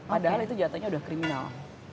padahal itu jatuhnya sudah kriminal